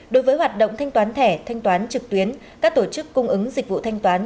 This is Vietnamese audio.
đối với hoạt động thanh toán thẻ thanh toán trực tuyến các tổ chức cung ứng dịch vụ thanh toán